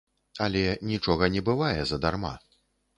Але нічога не бывае задарма.